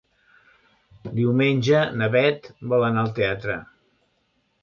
Diumenge na Bet vol anar al teatre.